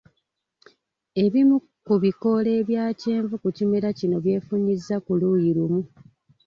Ebimu ku bikoola ebya kyenvu ku kimera kino byefunyizza ku luuyi lumu.